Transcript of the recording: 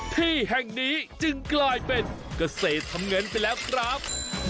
ที่แห่งนี้จึงกลายเป็นเกษตรทำเงินไปแล้วครับ